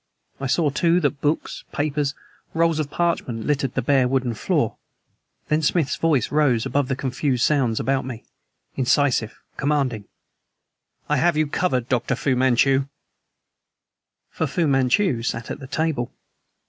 I saw too that books, papers and rolls of parchment littered the bare wooden floor. Then Smith's voice rose above the confused sounds about me, incisive, commanding: "I have you covered, Dr. Fu Manchu!" For Fu Manchu sat at the table.